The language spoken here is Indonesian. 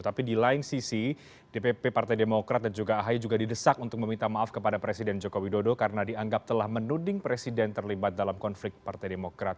tapi di lain sisi dpp partai demokrat dan juga ahy juga didesak untuk meminta maaf kepada presiden joko widodo karena dianggap telah menuding presiden terlibat dalam konflik partai demokrat